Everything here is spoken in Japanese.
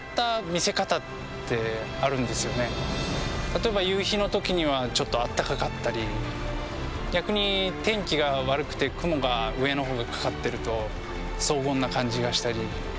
例えば夕日の時にはちょっとあったかかったり逆に天気が悪くて雲が上の方にかかってると荘厳な感じがしたり。